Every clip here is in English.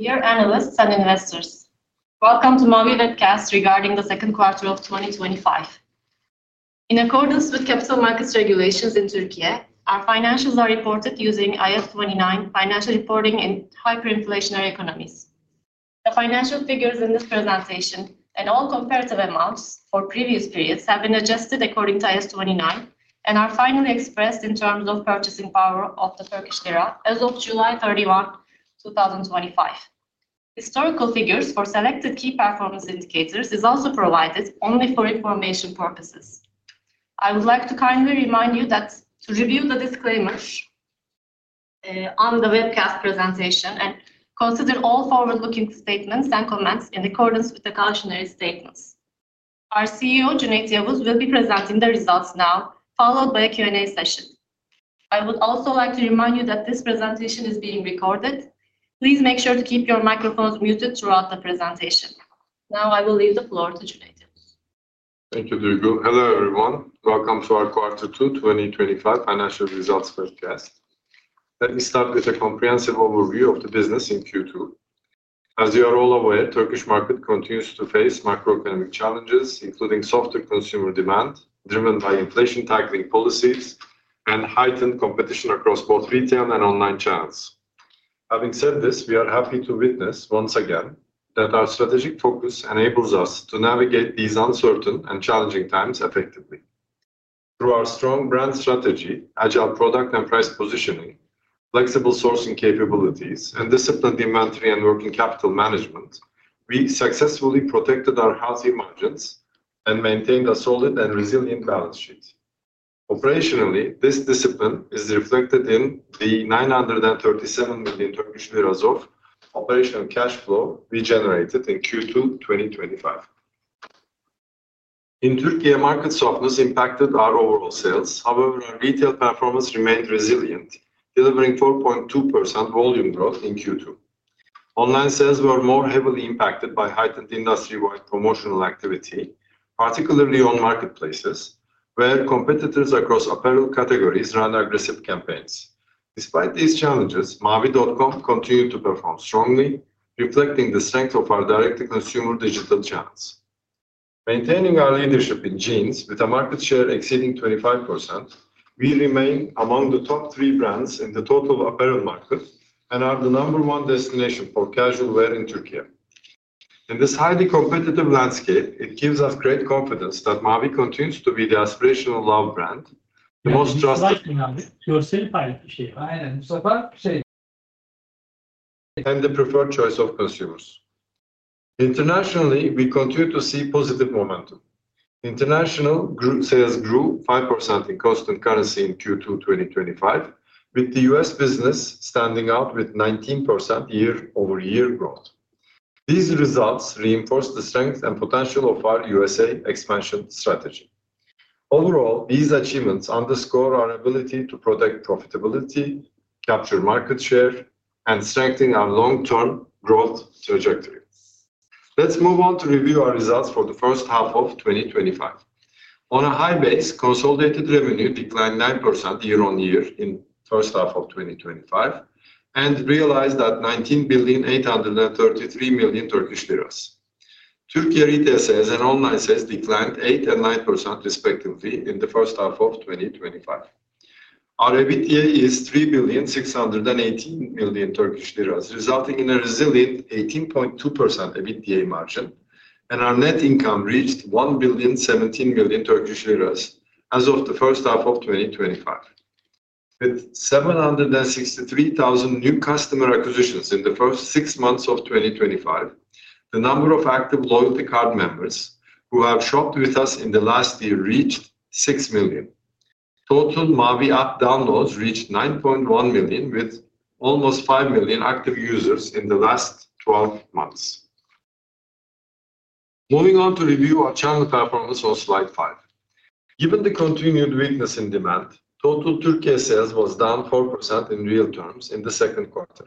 Dear analysts and investors, welcome to Mavi's webcast regarding the second quarter of 2025. In accordance with capital markets regulations in Türkiye, our financials are reported using IF29 Financial Reporting in Hyperinflationary Economies. The financial figures in this translation, and all comparative amounts for previous periods, have been adjusted according to IF29 and are finally expressed in terms of purchasing power of the focus area as of July 31, 2025. Historical figures for selected key performance indicators are also provided only for information purposes. I would like to kindly remind you to review the disclaimers on the webcast presentation and consider all forward-looking statements and comments in accordance with the cautionary statements. Our CEO, Cuneyt Yavuz, will be presenting the results now, followed by a Q&A session. I would also like to remind you that this presentation is being recorded. Please make sure to keep your microphones muted throughout the presentation. Now I will leave the floor to Cuneyt. Thank you, Duygu. Hello everyone, welcome to our Q2 2025 financial results webcast. Let me start with a comprehensive overview of the business in Q2. As you are all aware, the Turkish market continues to face macroeconomic challenges, including softer consumer demand driven by inflation-tackling policies and heightened competition across both retail and online channels. Having said this, we are happy to witness once again that our strategic focus enables us to navigate these uncertain and challenging times effectively. Through our strong brand strategy, agile product and price positioning, flexible sourcing capabilities, and disciplined inventory and working capital management, we successfully protected our healthy margins and maintained a solid and resilient balance sheet. Operationally, this discipline is reflected in the ₺937 million operational cash flow we generated in Q2 2025. In Türkiye, market softness impacted our overall sales. However, our retail performance remained resilient, delivering 4.2% volume growth in Q2. Online sales were more heavily impacted by heightened industry-wide promotional activity, particularly on marketplaces, where competitors across apparel categories ran aggressive campaigns. Despite these challenges, Mavi.com continued to perform strongly, reflecting the strength of our direct-to-consumer digital channels. Maintaining our leadership in jeans, with a market share exceeding 25%, we remain among the top three brands in the total apparel market and are the number one destination for casual wear in Türkiye. In this highly competitive landscape, it gives us great confidence that Mavi continues to be the aspirational love brand, most trusted... The preferred choice of consumers. Internationally, we continue to see positive momentum. International sales grew 5% in constant currency in Q2 2025, with the US business standing out with 19% year-over-year growth. These results reinforce the strength and potential of our US expansion strategy. Overall, these achievements underscore our ability to protect profitability, capture market share, and strengthen our long-term growth trajectory. Let's move on to review our results for the first half of 2025. On a high basis, consolidated revenue declined 9% year-on-year in the first half of 2025 and realized at ₺19.833 million. Türkiye retail sales and online sales declined 8% and 9% respectively in the first half of 2025. Our EBITDA is ₺3.618 million, resulting in a resilient 18.2% EBITDA margin, and our net income reached ₺1.017 million as of the first half of 2025. With 763,000 new customer acquisitions in the first six months of 2025, the number of active loyalty card members who have shopped with us in the last year reached 6 million. Total Mavi app downloads reached 9.1 million, with almost 5 million active users in the last 12 months. Moving on to review our churn performance on slide five. Given the continued weakness in demand, total Türkiye sales was down 4% in real terms in the second quarter.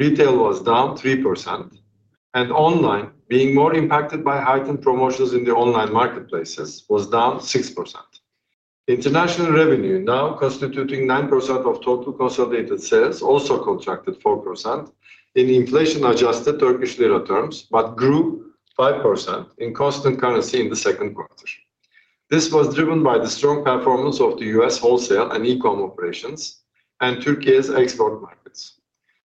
Retail was down 3%, and online, being more impacted by heightened promotions in the online marketplaces, was down 6%. International revenue, now constituting 9% of total consolidated sales, also contracted 4% in inflation-adjusted TL terms, but grew 5% in constant currency in the second quarter. This was driven by the strong performance of the US wholesale and e-commerce operations and Türkiye's export markets.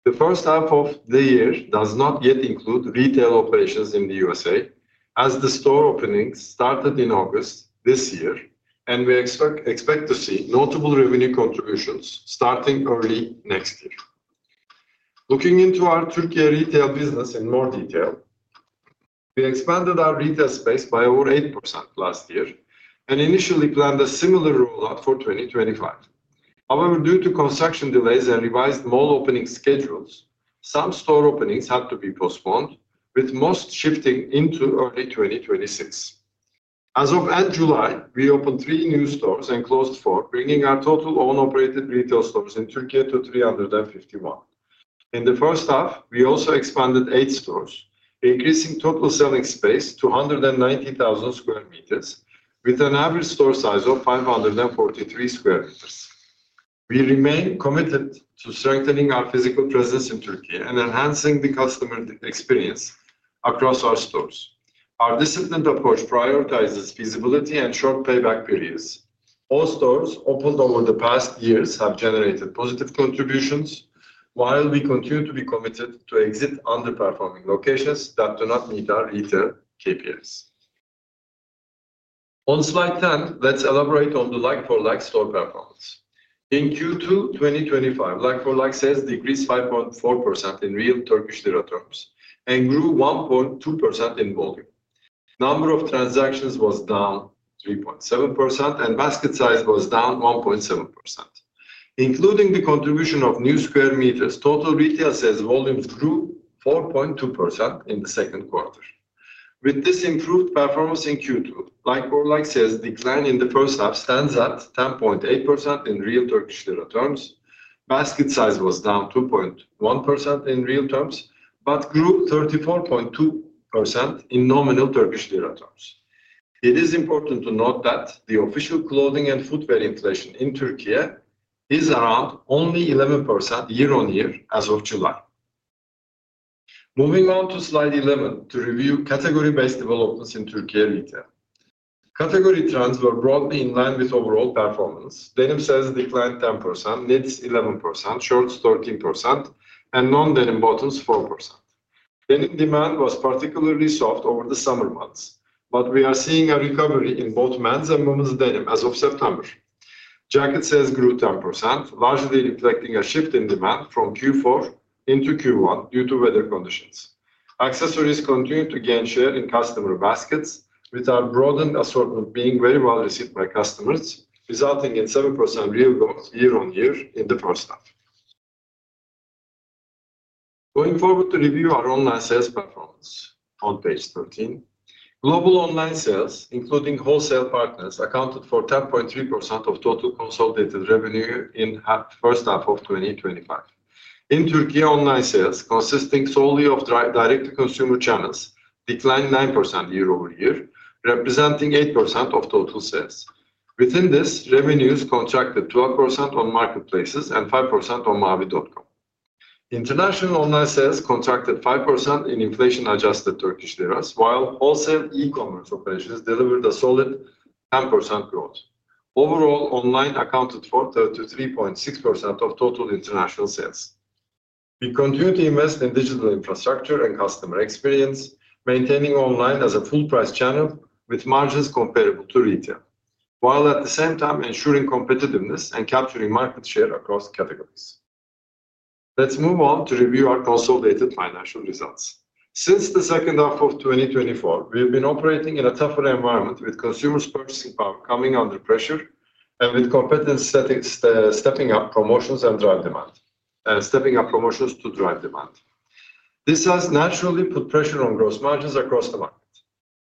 The first half of the year does not yet include retail operations in the US, as the store opening started in August this year, and we expect to see notable revenue contributions starting early next year. Looking into our Türkiye retail business in more detail, we expanded our retail space by over 8% last year and initially planned a similar rollout for 2025. However, due to construction delays and revised mall opening schedules, some store openings had to be postponed, with most shifting into early 2026. As of end July, we opened three new stores and closed four, bringing our total own-operated retail stores in Türkiye to 351. In the first half, we also expanded eight stores, increasing total selling space to 190,000 m², with an average store size of 543 m². We remain committed to strengthening our physical presence in Türkiye and enhancing the customer experience across our stores. Our disciplined approach prioritizes feasibility and short payback periods. All stores opened over the past years have generated positive contributions, while we continue to be committed to exit underperforming locations that do not meet our retail KPIs. On slide 10, let's elaborate on the like-for-like store performance. In Q2 2025, like-for-like sales decreased 5.4% in real TL terms and grew 1.2% in volume. The number of transactions was down 3.7%, and basket size was down 1.7%. Including the contribution of new square meters, total retail sales volume grew 4.2% in the second quarter. With this improved performance in Q2, like-for-like sales declined in the first half, stands at 10.8% in real TL terms. Basket size was down 2.1% in real terms, but grew 34.2% in nominal TL. It is important to note that the official clothing and footwear inflation in Türkiye is up only 11% year-on-year as of July. Moving on to slide 11 to review category-based developments in Türkiye retail. Category trends were broadly in line with overall performance. Denim sales declined 10%, knitting 11%, shorts 13%, and non-denim bottoms 4%. Denim demand was particularly soft over the summer months, but we are seeing a recovery in both men's and women's denim as of September. Jacket sales grew 10%, largely reflecting a shift in demand from Q4 into Q1 due to weather conditions. Accessories continued to gain share in customer baskets, with our broadened assortment being very well received by customers, resulting in 7% real growth year-on-year in the first half. Going forward to review our online sales performance on page 13, global online sales, including wholesale partners, accounted for 10.3% of total consolidated revenue in the first half of 2025. In Türkiye, online sales, consisting solely of direct-to-consumer channels, declined 9% year-over-year, representing 8% of total sales. Within this, revenues contracted 12% on marketplaces and 5% on Mavi.com. International online sales contracted 5% in inflation-adjusted TL, while wholesale e-commerce operations delivered a solid 10% growth. Overall, online accounted for 33.6% of total international sales. We continue to invest in digital infrastructure and customer experience, maintaining online as a full-price channel with margins comparable to retail, while at the same time ensuring competitiveness and capturing market share across categories. Let's move on to review our consolidated financial results. Since the second half of 2024, we have been operating in a tougher environment, with consumers' purchasing power coming under pressure and with competitors stepping up promotions to drive demand. This has naturally put pressure on gross margins across the market.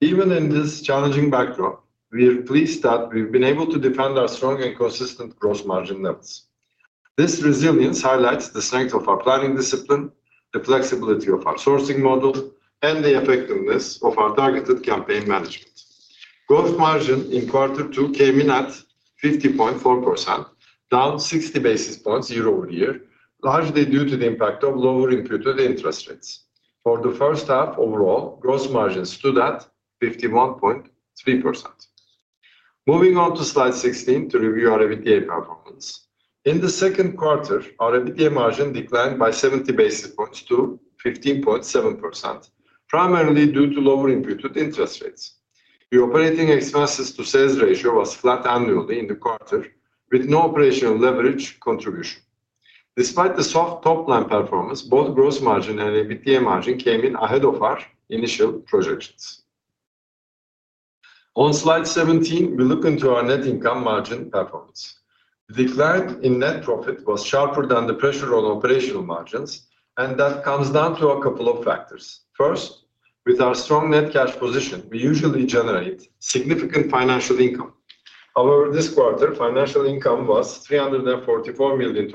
Even in this challenging backdrop, we are pleased that we've been able to defend our strong and consistent gross margin levels. This resilience highlights the strength of our planning discipline, the flexibility of our sourcing model, and the effectiveness of our targeted campaign management. Gross margin in quarter two came in at 50.4%, down 60 basis points year-over-year, largely due to the impact of lower imputed interest rates. For the first half overall, gross margins stood at 51.3%. Moving on to slide 16 to review our EBITDA performance. In the second quarter, our EBITDA margin declined by 70 basis points to 15.7%, primarily due to lower imputed interest rates. The operating expenses-to-sales ratio was flat annually in the quarter, with no operational leverage contribution. Despite the soft top-line performance, both gross margin and EBITDA margin came in ahead of our initial projections. On slide 17, we look into our net income margin performance. The decline in net profit was sharper than the pressure on operational margins, and that comes down to a couple of factors. First, with our strong net cash position, we usually generate significant financial income. However, this quarter, financial income was ₺344 million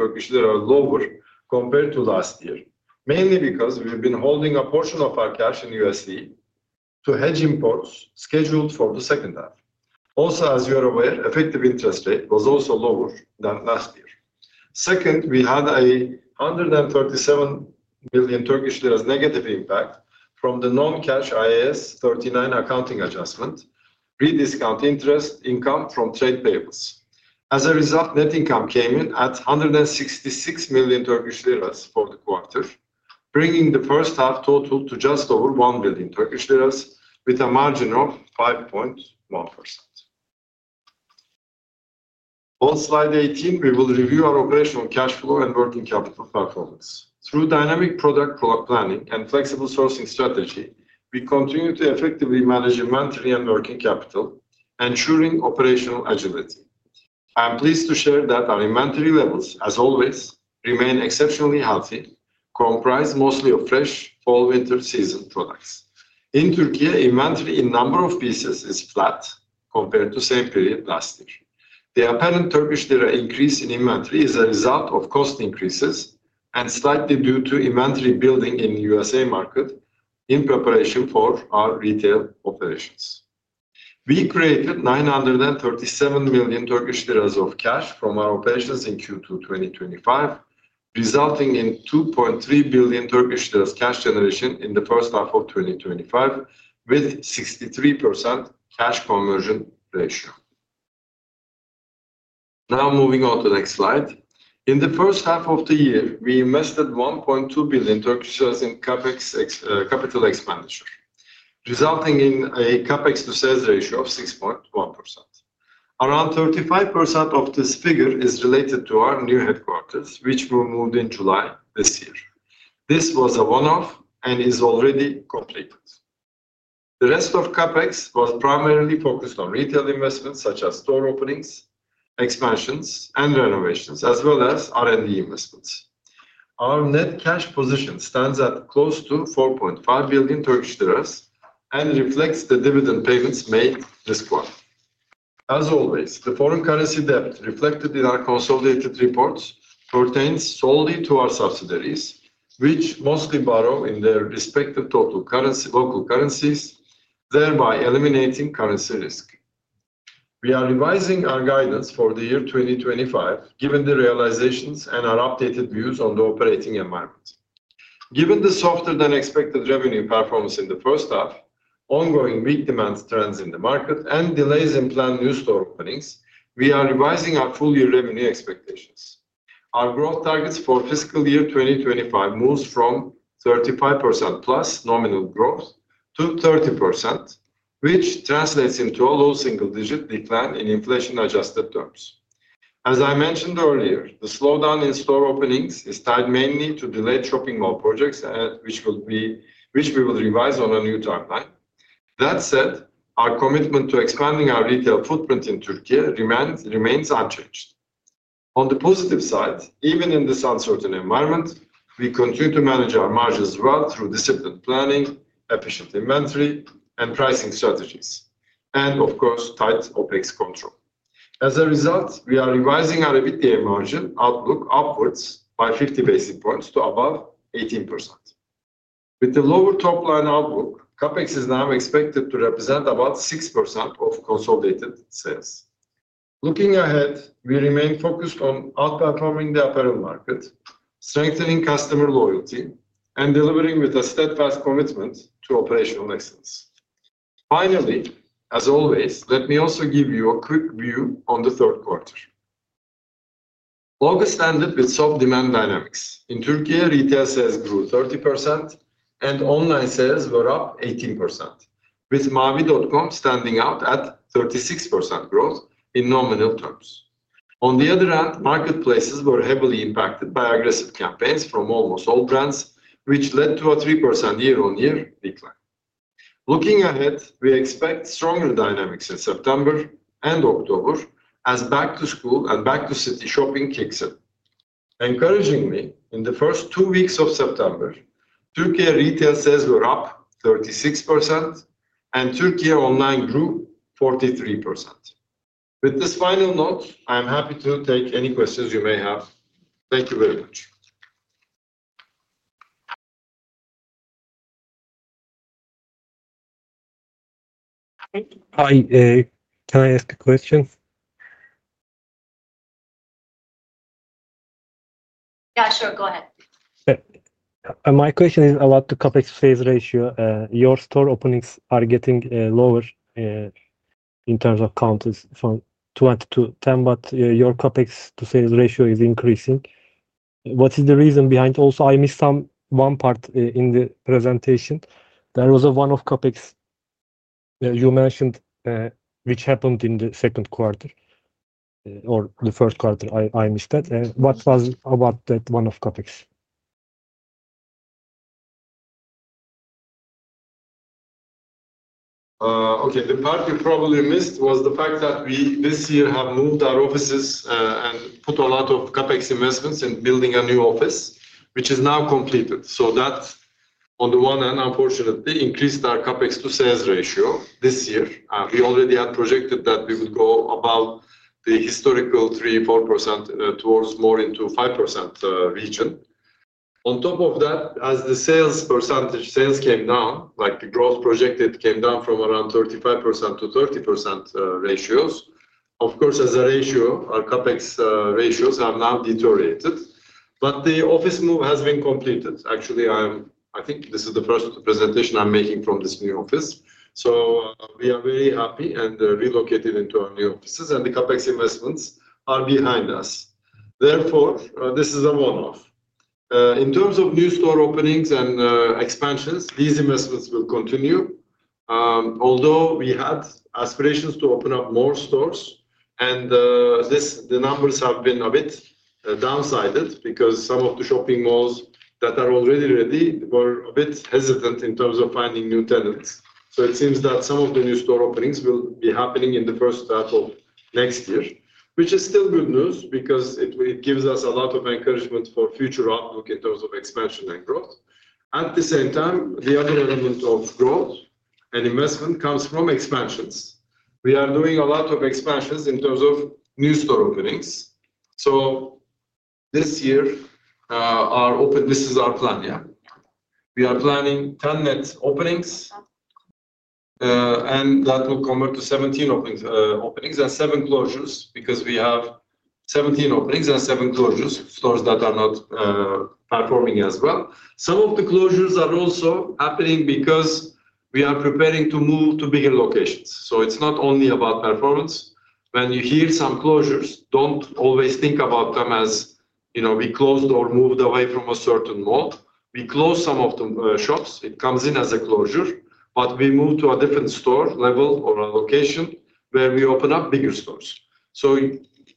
lower compared to last year, mainly because we have been holding a portion of our cash in USD to hedge imports scheduled for the second half. Also, as you are aware, the effective interest rate was also lower than last year. Second, we had a ₺137 million negative impact from the non-cash IAS 39 accounting adjustment, rediscounting interest income from trade payables. As a result, net income came in at ₺166 million for the quarter, bringing the first half total to just over ₺1 million, with a margin of 5.1%. On slide 18, we will review our operational cash flow and working capital performance. Through dynamic product planning and flexible sourcing strategy, we continue to effectively manage inventory and working capital, ensuring operational agility. I am pleased to share that our inventory levels, as always, remain exceptionally healthy, comprised mostly of fresh fall-winter season products. In Türkiye, inventory in a number of pieces is flat compared to the same period last year. The apparent TL increase in inventory is a result of cost increases and slightly due to inventory building in the US market in preparation for our retail operations. We created ₺937 million of cash from our operations in Q2 2025, resulting in ₺2.3 billion cash generation in the first half of 2025, with a 63% cash conversion ratio. Now moving on to the next slide. In the first half of the year, we invested ₺1.2 billion in CapEx capital expenditure, resulting in a CapEx-to-sales ratio of 6.1%. Around 35% of this figure is related to our new headquarters, which were moved in July this year. This was a one-off and is already completed. The rest of CapEx was primarily focused on retail investments such as store openings, expansions, and renovations, as well as R&D investments. Our net cash position stands at close to ₺4.5 billion and reflects the dividend payments made this quarter. As always, the foreign currency debt, reflected in our consolidated reports, pertains solely to our subsidiaries, which mostly borrow in their respective local currencies, thereby eliminating currency risk. We are revising our guidance for the year 2025, given the realizations and our updated views on the operating environment. Given the softer than expected revenue performance in the first half, ongoing weak demand trends in the market, and delays in planned new store openings, we are revising our full-year revenue expectations. Our growth targets for fiscal year 2025 move from 35% plus nominal growth to 30%, which translates into a low single-digit decline in inflation-adjusted terms. As I mentioned earlier, the slowdown in store openings is tied mainly to delayed shopping mall projects, which we will revise on a new timeline. That said, our commitment to expanding our retail footprint in Türkiye remains unchanged. On the positive side, even in this uncertain environment, we continue to manage our margins well through disciplined planning, efficient inventory, and pricing strategies, and of course, tight OPEX control. As a result, we are revising our EBITDA margin outlook upwards by 50 basis points to above 18%. With the lower top-line outlook, CapEx is now expected to represent about 6% of consolidated sales. Looking ahead, we remain focused on outperforming the apparel market, strengthening customer loyalty, and delivering with a steadfast commitment to operational excellence. Finally, as always, let me also give you a quick view on the third quarter. August ended with some demand dynamics. In Türkiye, retail sales grew 30%, and online sales were up 18%, with Mavi.com standing out at 36% growth in nominal terms. On the other hand, marketplaces were heavily impacted by aggressive campaigns from almost all brands, which led to a 3% year-on-year decline. Looking ahead, we expect stronger dynamics in September and October, as back-to-school and back-to-city shopping kicks in. Encouragingly, in the first two weeks of September, Türkiye retail sales were up 36%, and Türkiye online grew 43%. With this final note, I am happy to take any questions you may have. Thank you very much. Hi, can I ask a question? Yeah, sure. Go ahead. My question is about the CapEx-to-sales ratio. Your store openings are getting lower in terms of counters from 20 to 10, but your CapEx-to-sales ratio is increasing. What is the reason behind? Also, I missed one part in the presentation. There was a one-off CapEx you mentioned, which happened in the second quarter or the first quarter. I missed that. What was it about that one-off CapEx? Okay, the part you probably missed was the fact that we this year have moved our offices and put a lot of CapEx investments in building a new office, which is now completed. That, on the one hand, unfortunately, increased our CapEx-to-sales ratio this year. We already had projected that we would go above the historical 3-4% towards more into a 5% region. On top of that, as the sales percentage sales came down, like the growth projected came down from around 35% to 30% ratios. Of course, as a ratio, our CapEx ratios have now deteriorated. The office move has been completed. Actually, I think this is the first presentation I'm making from this new office. We are very happy and relocated into our new offices, and the CapEx investments are behind us. Therefore, this is a one-off. In terms of new store openings and expansions, these investments will continue. Although we had aspirations to open up more stores, and the numbers have been a bit downsided because some of the shopping malls that are already ready were a bit hesitant in terms of finding new tenants. It seems that some of the new store openings will be happening in the first quarter of next year, which is still good news because it gives us a lot of encouragement for future outlook in terms of expansion and growth. At the same time, the other element of growth and investment comes from expansions. We are doing a lot of expansions in terms of new store openings. This year, our open, this is our plan. Yeah, we are planning 10 net openings and that will convert to 17 openings and 7 closures because we have 17 openings and 7 closures, stores that are not performing as well. Some of the closures are also happening because we are preparing to move to bigger locations. It's not only about performance. When you hear some closures, don't always think about them as, you know, we closed or moved away from a certain mall. We closed some of the shops. It comes in as a closure, but we moved to a different store level or a location where we open up bigger stores.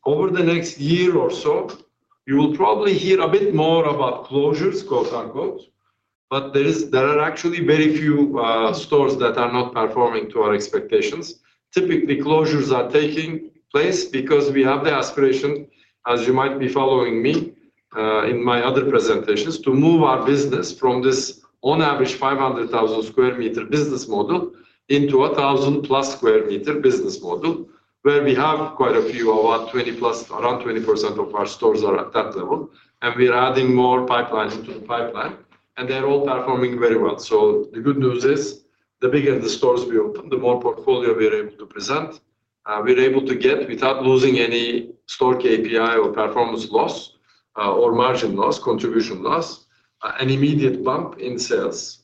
Over the next year or so, you will probably hear a bit more about closures, quote unquote, but there are actually very few stores that are not performing to our expectations. Typically, closures are taking place because we have the aspiration, as you might be following me in my other presentations, to move our business from this on average 500,000 square meter business model into a 1,000 plus square meter business model, where we have quite a few, about 20 plus, around 20% of our stores are at that level. We're adding more pipelines into the pipeline, and they're all performing very well. The good news is the bigger the stores we open, the more portfolio we're able to present, we're able to get without losing any store KPI or performance loss or margin loss, contribution loss, an immediate bump in sales.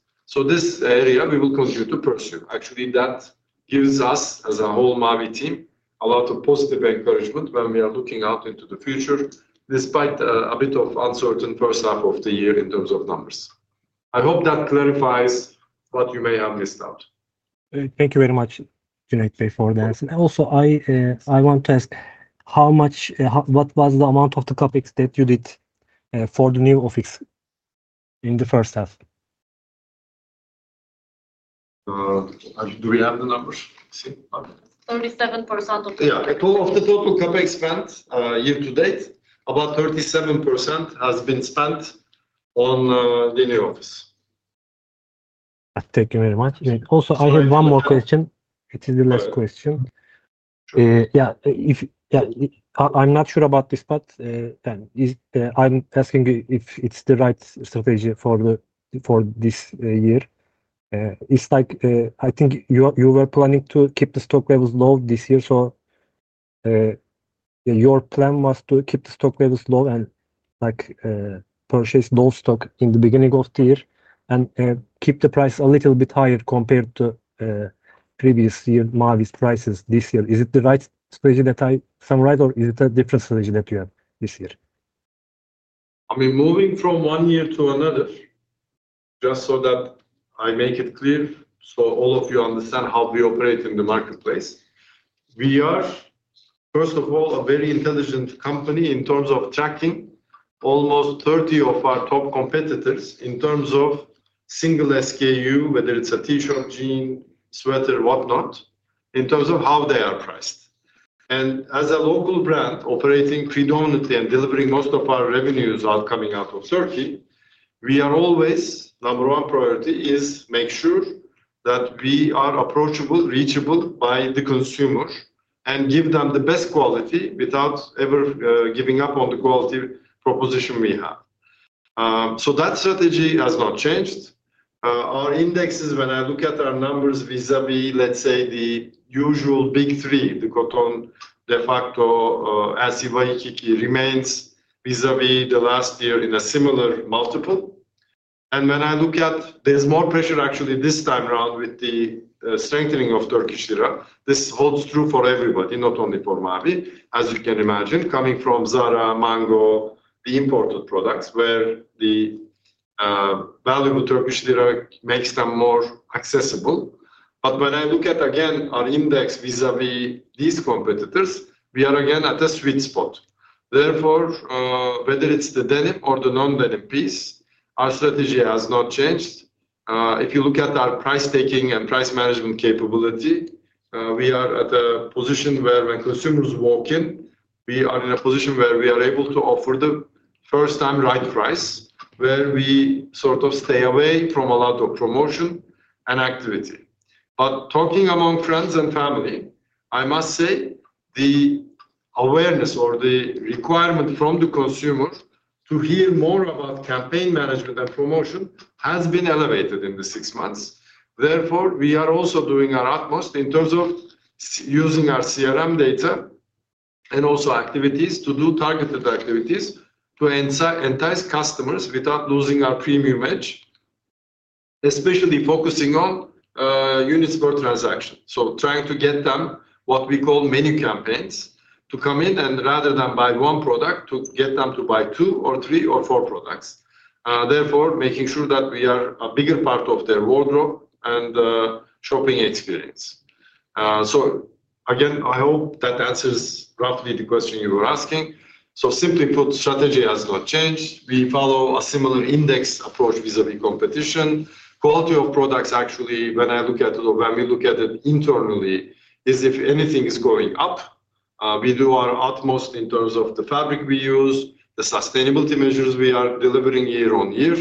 This area we will continue to pursue. Actually, that gives us as a whole Mavi team a lot of positive encouragement when we are looking out into the future, despite a bit of uncertainty in the first half of the year in terms of numbers. I hope that clarifies what you may have missed out. Thank you very much, Cuneyt, for the answer. Also, I want to ask how much, what was the amount of the CapEx that you did for the new office in the first half? Do we have the numbers? Only 7% of the total CapEx spent year to date. About 37% has been spent on the new office. Thank you very much. Also, I have one more question. It is the last question. I'm not sure about this, but I'm asking you if it's the right strategy for this year. I think you were planning to keep the stock levels low this year. Your plan was to keep the stock levels low and purchase low stock in the beginning of the year and keep the price a little bit higher compared to previous year Mavi's prices this year. Is it the right strategy that I summarized, or is it a different strategy that you have this year? I mean, moving from one year to another, just so that I make it clear so all of you understand how we operate in the marketplace. We are, first of all, a very intelligent company in terms of tracking almost 30 of our top competitors in terms of single SKU, whether it's a t-shirt, jean, sweater, whatnot, in terms of how they are priced. As a local brand operating predominantly and delivering most of our revenues coming out of Türkiye, our number one priority is to make sure that we are approachable, reachable by the consumer, and give them the best quality without ever giving up on the quality proposition we have. That strategy has not changed. Our indexes, when I look at our numbers vis-à-vis, let's say the usual big three, the Koton, DeFacto, as you remain vis-à-vis the last year in a similar multiple. When I look at it, there's more pressure actually this time around with the strengthening of Turkish lira. This holds true for everybody, not only for Mavi, as you can imagine, coming from Zara, Mango, the imported products where the valuable Turkish lira makes them more accessible. When I look at again our index vis-à-vis these competitors, we are again at a sweet spot. Therefore, whether it's the denim or the non-denim piece, our strategy has not changed. If you look at our price-taking and price management capability, we are at a position where when consumers walk in, we are in a position where we are able to offer the first-time right price, where we sort of stay away from a lot of promotion and activity. Talking among friends and family, I must say the awareness or the requirement from the consumer to hear more about campaign management and promotion has been elevated in the six months. Therefore, we are also doing our utmost in terms of using our CRM data and also activities to do targeted activities to entice customers without losing our premium edge, especially focusing on unit spot transactions. Trying to get them what we call menu campaigns to come in and rather than buy one product, to get them to buy two or three or four products. Therefore, making sure that we are a bigger part of their wardrobe and shopping experience. I hope that answers roughly the question you were asking. Simply put, strategy has not changed. We follow a similar index approach vis-à-vis competition. Quality of products, actually, when I look at it or when we look at it internally, is if anything is going up. We do our utmost in terms of the fabric we use, the sustainability measures we are delivering year on year.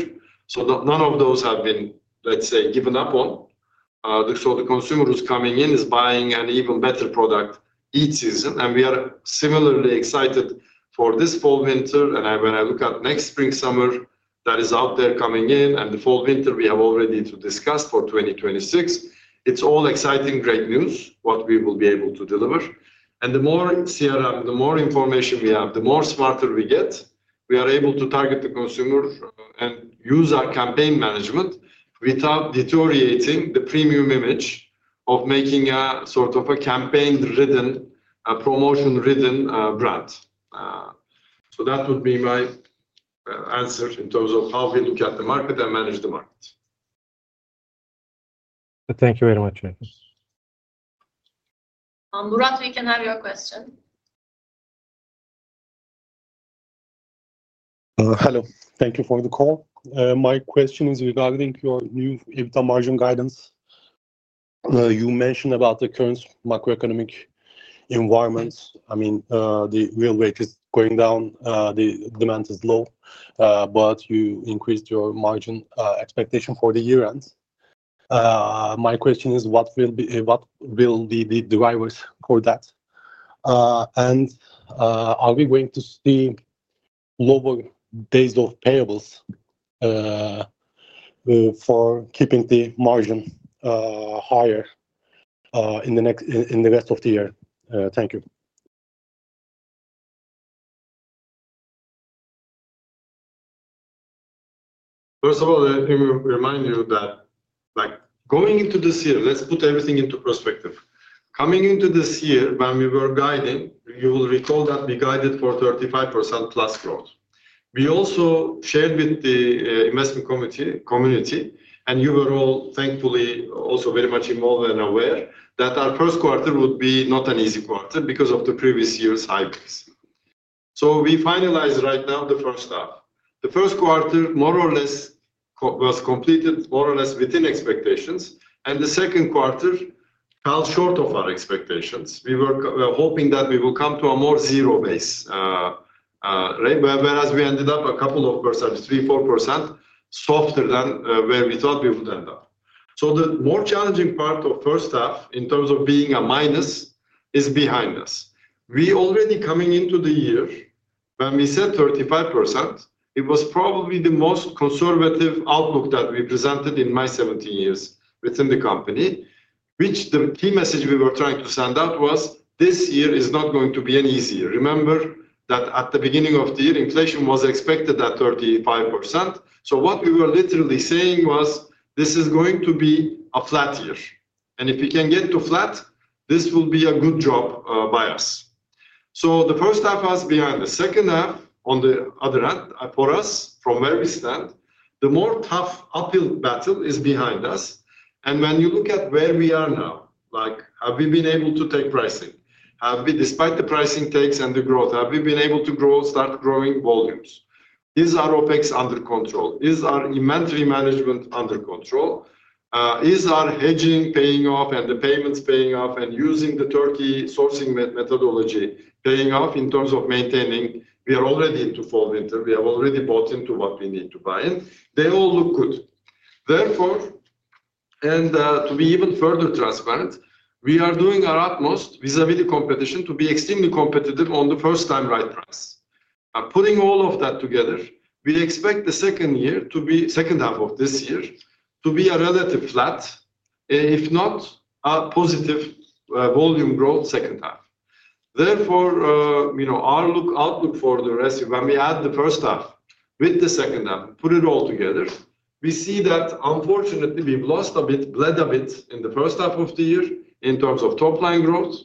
None of those have been, let's say, given up on. The consumer who's coming in is buying an even better product each season. We are similarly excited for this fall winter. When I look at next spring summer that is out there coming in and the fall winter we have already to discuss for 2026, it's all exciting, great news what we will be able to deliver. The more CRM, the more information we have, the smarter we get, we are able to target the consumer and use our campaign management without deteriorating the premium image of making a sort of a campaign-driven, a promotion-driven brand. That would be my answer in terms of how we look at the market and manage the market. Thank you very much. Murat, we can have your question. Hello. Thank you for the call. My question is regarding your new EBITDA margin guidance. You mentioned about the current macroeconomic environment. I mean, the real rate is going down, the demand is low, but you increased your margin expectation for the year-end. My question is, what will be the drivers for that? Are we going to see lower days of payables for keeping the margin higher in the rest of the year? Thank you. First of all, let me remind you that like going into this year, let's put everything into perspective. Coming into this year, when we were guiding, you will recall that we guided for 35% plus growth. We also shared with the investment community, and you were all thankfully also very much involved and aware that our first quarter would be not an easy quarter because of the previous year's hybrids. We finalized right now the first half. The first quarter was completed more or less within expectations, and the second quarter fell short of our expectations. We were hoping that we will come to a more zero base, whereas we ended up a couple of percentages, 3-4%, softer than where we thought we would end up. The more challenging part of the first half in terms of being a minus is behind us. We already coming into the year, when we said 35%, it was probably the most conservative outlook that we presented in my 17 years within the company, which the key message we were trying to send out was this year is not going to be an easy year. Remember that at the beginning of the year, inflation was expected at 35%. What we were literally saying was this is going to be a flat year. If you can get to flat, this will be a good job by us. The first half was behind us. The second half, on the other hand, for us, from where we stand, the more tough uphill battle is behind us. When you look at where we are now, like have we been able to take pricing? Have we, despite the pricing takes and the growth, have we been able to grow, start growing volumes? Is our OpEx under control? Is our inventory management under control? Is our hedging paying off and the payments paying off and using the Türkiye sourcing methodology paying off in terms of maintaining? We are already into fall winter. We have already bought into what we need to buy in. They all look good. Therefore, and to be even further transparent, we are doing our utmost vis-à-vis the competition to be extremely competitive on the first-time right price. Putting all of that together, we expect the second year to be, second half of this year, to be a relative flat, and if not a positive volume growth second half. Therefore, our outlook for the rest of when we add the first half with the second half, put it all together, we see that unfortunately we've lost a bit, bled a bit in the first half of the year in terms of top-line growth.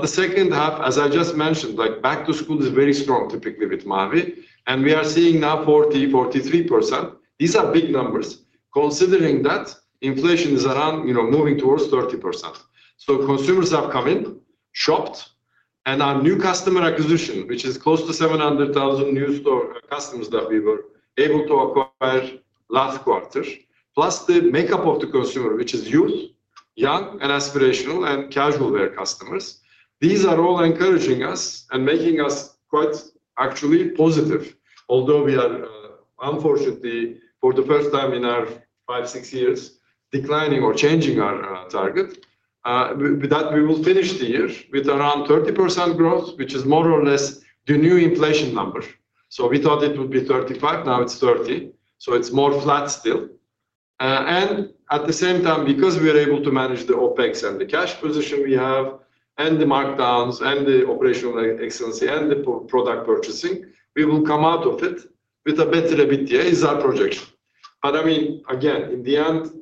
The second half, as I just mentioned, like back to school is very strong typically with Mavi, and we are seeing now 40, 43%. These are big numbers considering that inflation is around, you know, moving towards 30%. Consumers have come in, shopped, and our new customer acquisition, which is close to 700,000 new store customers that we were able to acquire last quarter, plus the makeup of the consumer, which is youth, young, and aspirational, and casual wear customers, these are all encouraging us and making us quite actually positive. Although we are unfortunately for the first time in our five, six years declining or changing our target, that we will finish the year with around 30% growth, which is more or less the new inflation number. We thought it would be 35%, now it's 30%. It's more flat still. At the same time, because we are able to manage the OpEx and the cash position we have and the markdowns and the operational excellency and the product purchasing, we will come out of it with a better EBITDA, is our projection. Again, in the end,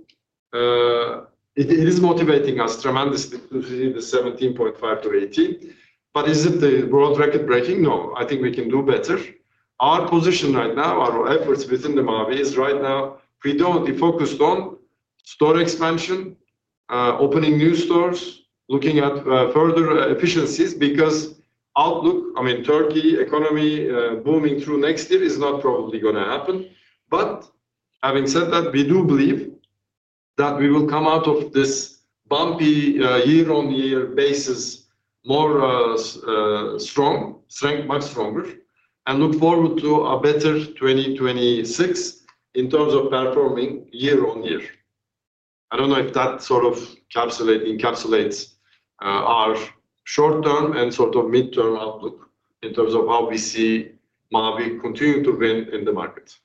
it is motivating us tremendously to see the 17.5 to 18.0. Is it world record breaking? No, I think we can do better. Our position right now, our efforts within Mavi is right now, we don't be focused on store expansion, opening new stores, looking at further efficiencies because outlook, I mean, Türkiye economy booming through next year is not probably going to happen. Having said that, we do believe that we will come out of this bumpy year-on-year basis more strong, strength much stronger, and look forward to a better 2026 in terms of performing year-on-year. I don't know if that sort of encapsulates our short-term and sort of mid-term outlook in terms of how we see Mavi continue to win in the market.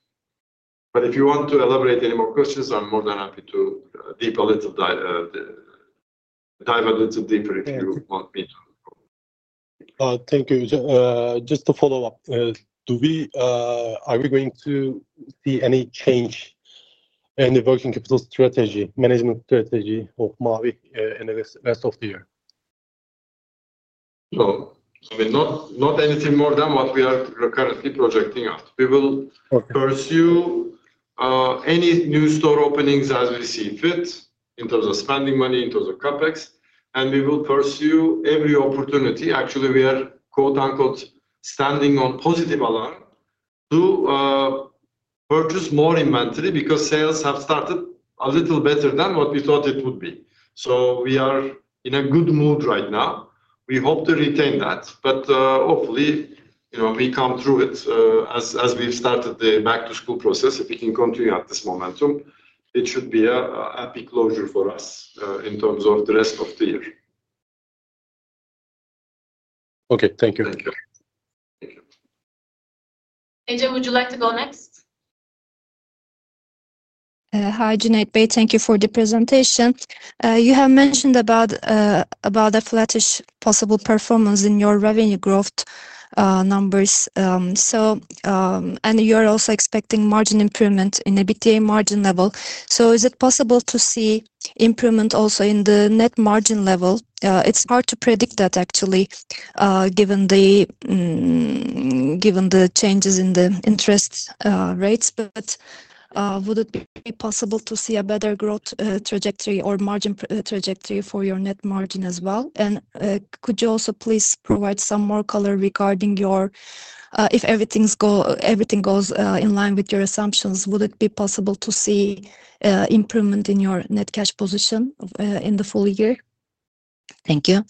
If you want to elaborate any more questions, I'm more than happy to deepen a little bit of the time a little deeper if you want me to. Thank you. Just to follow up, are we going to see any change in the capital management strategy of Mavi in the rest of the year? No, I mean, not anything more than what we are currently projecting out. We will pursue any new store openings as we see fit in terms of spending money in terms of CapEx, and we will pursue every opportunity. Actually, we are, quote-unquote, standing on positive alarm to purchase more inventory because sales have started a little better than what we thought it would be. We are in a good mood right now. We hope to retain that, but hopefully, you know, we come through it as we've started the macroscope process. If we can continue at this momentum, it should be an epic closure for us in terms of the rest of the year. Okay, thank you. Ajay, would you like to go next? Hi, Cuneyt Bey, thank you for the presentation. You have mentioned about a flattish possible performance in your revenue growth numbers, and you are also expecting margin improvement in EBITDA margin level. Is it possible to see improvement also in the net margin level? It's hard to predict that, actually, given the changes in the interest rates. Would it be possible to see a better growth trajectory or margin trajectory for your net margin as well? Could you also please provide some more color regarding your, if everything goes in line with your assumptions, would it be possible to see improvement in your net cash position in the full year? Thank you.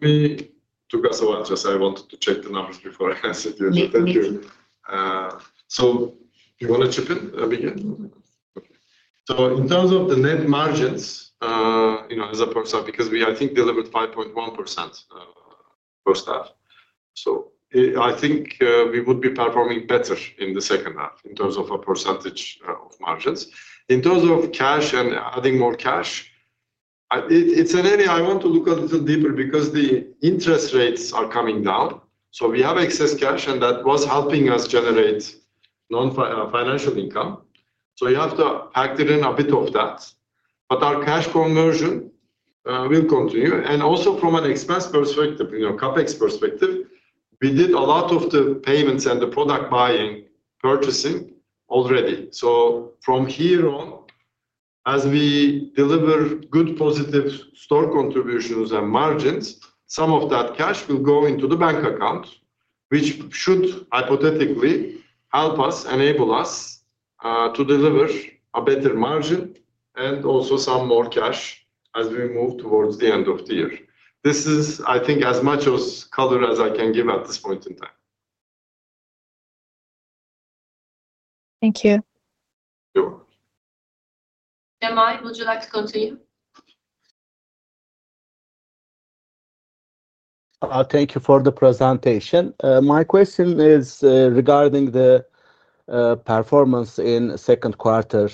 To pass a while, I wanted to check the numbers before I answer you. Thank you. Do you want to chip in? I'll begin. In terms of the net margins, you know, as a %, because we, I think, delivered 5.1% first half. I think we would be performing better in the second half in terms of a % of margins. In terms of cash and adding more cash, it's an area I want to look a little deeper because the interest rates are coming down. We have excess cash, and that was helping us generate non-financial income. You have to act in a bit of that. Our cash conversion will continue. Also, from an expense perspective, you know, CapEx perspective, we did a lot of the payments and the product buying, purchasing already. From here on, as we deliver good positive store contributions and margins, some of that cash will go into the bank account, which should hypothetically help us, enable us to deliver a better margin and also some more cash as we move towards the end of the year. This is, I think, as much as color as I can give at this point in time. Thank you. Jamal, would you like to continue? Thank you for the presentation. My question is regarding the performance in the second quarter.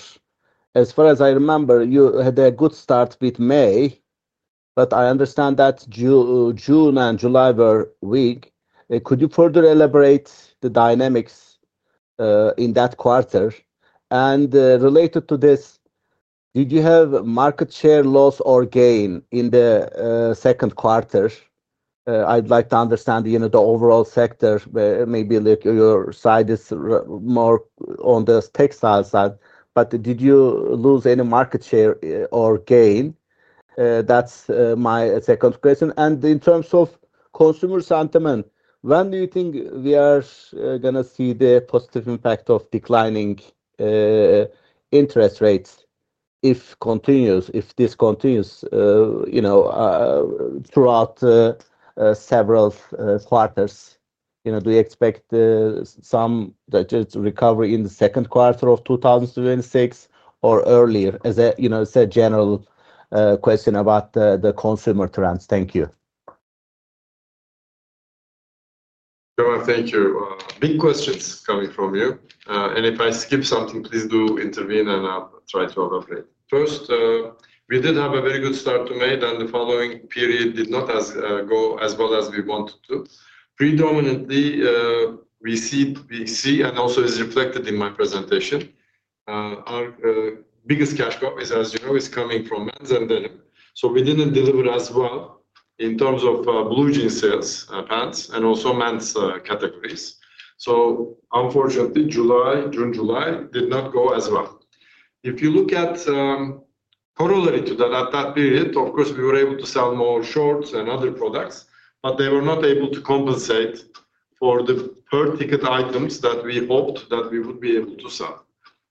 As far as I remember, you had a good start with May, but I understand that June and July were weak. Could you further elaborate the dynamics in that quarter? Related to this, did you have market share loss or gain in the second quarter? I'd like to understand the overall sector where maybe your side is more on the textile side, but did you lose any market share or gain? That's my second question. In terms of consumer sentiment, when do you think we are going to see the positive impact of declining interest rates if this continues throughout several quarters? Do you expect some digest recovery in the second quarter of 2026 or earlier? It's a general question about the consumer trends. Thank you. Thank you. Big questions coming from you. If I skip something, please do intervene and I'll try to elaborate. First, we did have a very good start to May, then the following period did not go as well as we wanted to. Predominantly, we see, and also as reflected in my presentation, our biggest cash cut, as you know, is coming from men's and denim. We didn't deliver as well in terms of blue jean sales, pants, and also men's categories. Unfortunately, June-July did not go as well. If you look at corollary to that, at that period, of course, we were able to sell more shorts and other products, but they were not able to compensate for the per-ticket items that we hoped that we would be able to sell.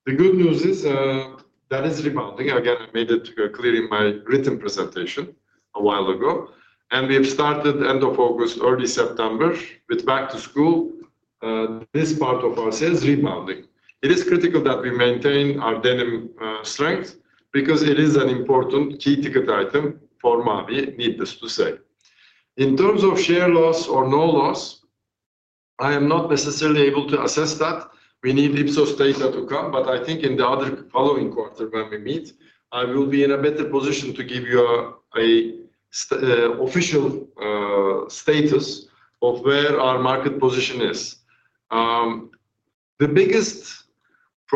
The good news is that is rebounding. I made it clear in my written presentation a while ago. We've started end of August, early September, with back to school. This part of our sales is rebounding. It is critical that we maintain our denim strength because it is an important key ticket item for Mavi, needless to say. In terms of share loss or no loss, I am not necessarily able to assess that. We need IPSOS data to come, but I think in the other following quarter when we meet, I will be in a better position to give you an official status of where our market position is. The biggest,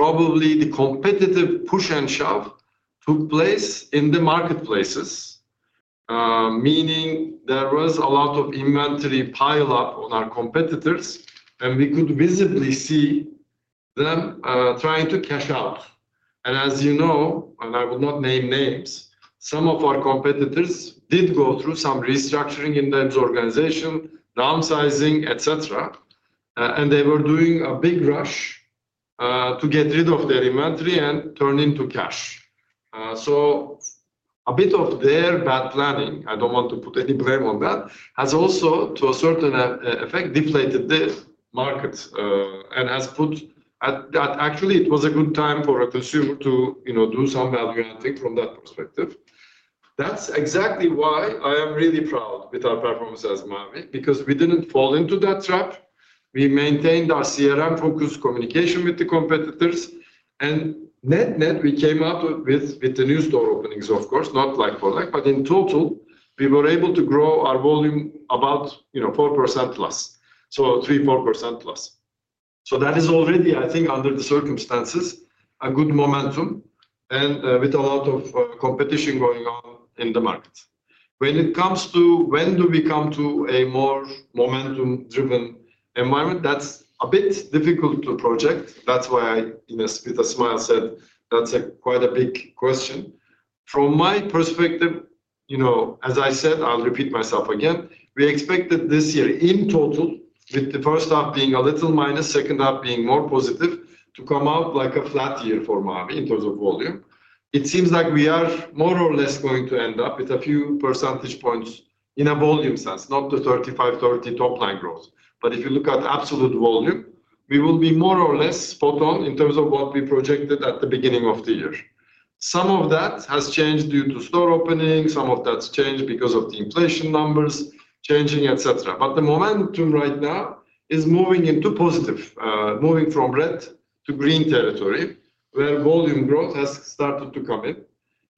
probably the competitive push and shove took place in the marketplaces, meaning there was a lot of inventory pile-up on our competitors, and we could visibly see them trying to cash out. As you know, and I will not name names, some of our competitors did go through some restructuring in their organization, downsizing, etc. They were doing a big rush to get rid of their inventory and turn into cash. A bit of their bad planning, I don't want to put any blame on that, has also, to a certain effect, deflated the market and has put that actually it was a good time for a consumer to, you know, do some bad graphic from that perspective. That's exactly why I am really proud with our performance as Mavi, because we didn't fall into that trap. We maintained our CRM-focused communication with the competitors. Net-net, we came out with the new store openings, of course, not like for like, but in total, we were able to grow our volume about, you know, 4% plus. So 3, 4% plus. That is already, I think, under the circumstances, a good momentum and with a lot of competition going on in the market. When it comes to when do we come to a more momentum-driven environment, that's a bit difficult to project. That's why I, you know, with a smile, said that's quite a big question. From my perspective, you know, as I said, I'll repeat myself again, we expected this year in total, with the first half being a little minus, second half being more positive, to come out like a flat year for Mavi in terms of volume. It seems like we are more or less going to end up with a few percentage points in a volume sense, not the 35-30% top-line growth. If you look at absolute volume, we will be more or less spot on in terms of what we projected at the beginning of the year. Some of that has changed due to store openings. Some of that's changed because of the inflation numbers changing, etc. The momentum right now is moving into positive, moving from red to green territory where volume growth has started to come in.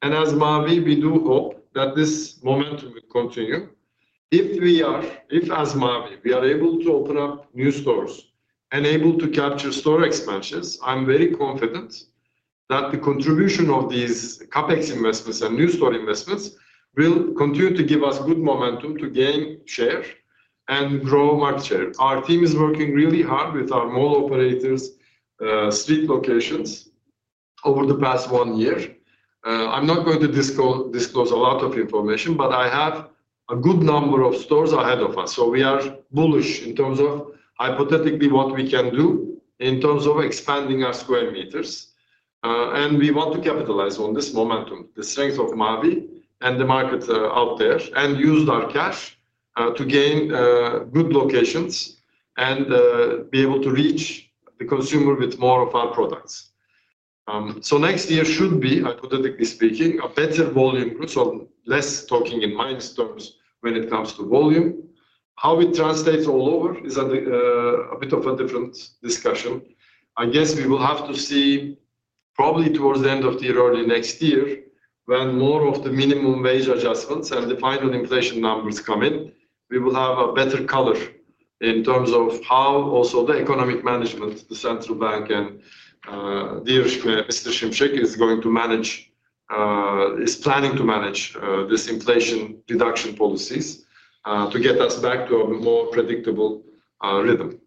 As Mavi, we do hope that this momentum will continue. If we are, if as Mavi, we are able to open up new stores and able to capture store expansions, I'm very confident that the contribution of these CapEx investments and new store investments will continue to give us good momentum to gain share and grow market share. Our team is working really hard with our mall operators, street locations over the past one year. I'm not going to disclose a lot of information, but I have a good number of stores ahead of us. We are bullish in terms of hypothetically what we can do in terms of expanding our square meters. We want to capitalize on this momentum, the strength of Mavi and the market out there, and use our cash to gain good locations and be able to reach the consumer with more of our products. Next year should be, hypothetically speaking, a better volume group, so less talking in minor stores when it comes to volume. How it translates all over is a bit of a different discussion. I guess we will have to see probably towards the end of the year, early next year, when more of the minimum wage adjustments and the final inflation numbers come in, we will have a better color in terms of how also the economic management, the central bank, and Dirch Ester Shimshik is going to manage, is planning to manage, this inflation reduction policies, to get us back to a more predictable rhythm.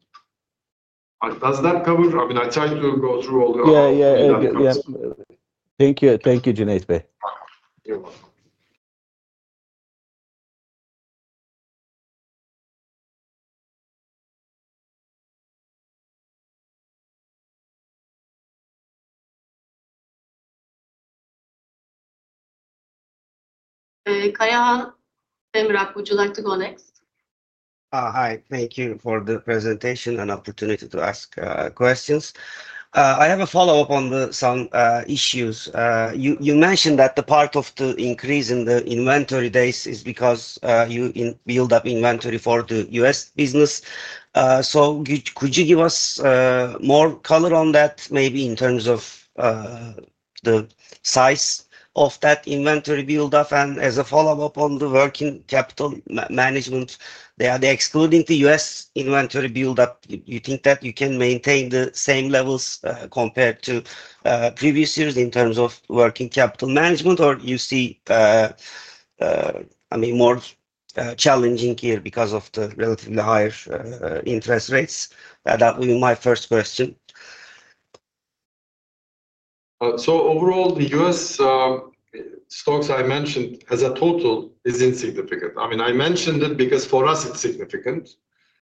Does that cover? I mean, I tried to go through all the. Thank you. Thank you, Cuneyt Bey. Kaya, Emrah, would you like to go next? Hi, thank you for the presentation and opportunity to ask questions. I have a follow-up on some issues. You mentioned that the part of the increase in the inventory days is because you build up inventory for the US business. Could you give us more color on that, maybe in terms of the size of that inventory buildup? As a follow-up on the working capital management, excluding the US inventory buildup, do you think that you can maintain the same levels compared to previous years in terms of working capital management, or do you see more challenging here because of the relatively higher interest rates? That would be my first question. Overall, the U.S. stocks I mentioned as a total is insignificant. I mean, I mentioned it because for us it's significant